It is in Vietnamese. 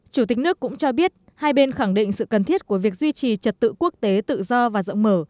chủ tịch nước cũng cho biết hai bên khẳng định sự cần thiết của việc duy trì trật tự quốc tế tự do và rộng mở